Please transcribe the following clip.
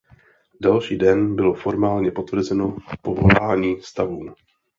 Další den bylo formálně potvrzeno povolání stavů.